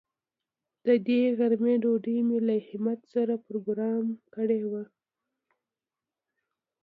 د دې غرمې ډوډۍ مې له همت سره پروگرام کړې وه.